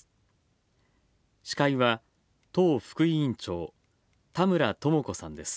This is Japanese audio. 司会は、党副委員長田村智子さんです。